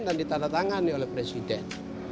dan ditandatangani oleh presiden